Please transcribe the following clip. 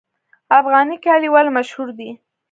افغاني کالي ولې مشهور دي؟